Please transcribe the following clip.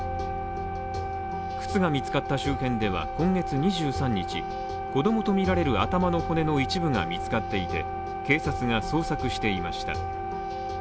靴が見つかった周辺では今月２３日、子供とみられる頭の骨の一部が見つかっていて警察が捜索していました。